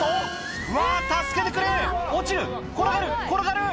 「うわ助けてくれ落ちる転がる転がる！」